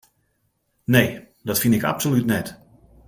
Nee, dat fyn ik absolút net.